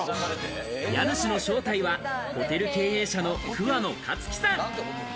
家主の正体はホテル経営者の桑野克己さん。